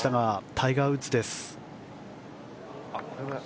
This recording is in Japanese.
タイガー・ウッズです。